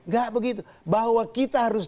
gak begitu bahwa kita harus